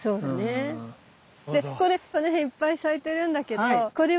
でこれこの辺いっぱい咲いてるんだけどこれはね